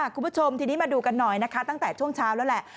คุณผู้ชมทีนี้มาดูกันหน่อยนะคะตั้งแต่ช่วงเช้าแล้วแหละ